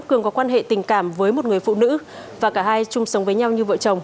cường có quan hệ tình cảm với một người phụ nữ và cả hai chung sống với nhau như vợ chồng